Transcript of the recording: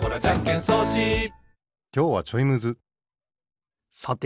きょうはちょいむずさて